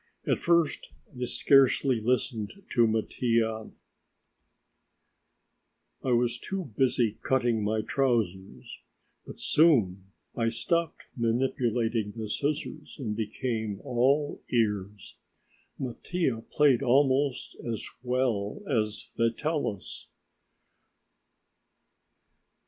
At first I scarcely listened to Mattia; I was too busy cutting my trousers, but soon I stopped manipulating the scissors and became all ears. Mattia played almost as well as Vitalis.